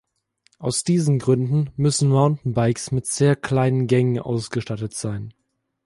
Aus diesen Gründen müssen Mountainbikes mit sehr kleinen Gängen ausgestattet sein.